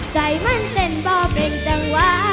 ใจมันเต้นป่อเปลี่ยงจังหวะ